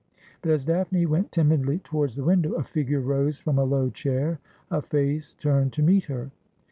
But as Daphne went timidlv towards the window a figure rose from a low chair, a face turned to meet her.